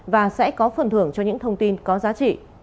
và sẽ có phần thưởng cho những thông tin có giá trị